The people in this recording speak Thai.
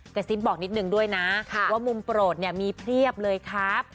กระซิบบอกนิดนึงด้วยนะว่ามุมโปรดเนี่ยมีเพียบเลยครับ